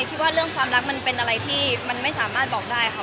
คิดว่าเรื่องความรักมันเป็นอะไรที่มันไม่สามารถบอกได้ค่ะ